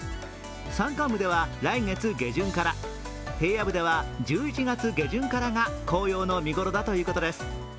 山間部では来月下旬から、平野部では１１月下旬からが紅葉の見頃だということです。